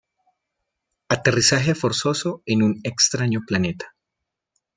Aterrizaje forzoso en un extraño planeta.